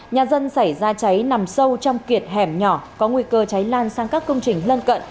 nhà dân xảy ra cháy nằm sâu trong kiệt hẻm nhỏ có nguy cơ cháy lan sang các công trình lân cận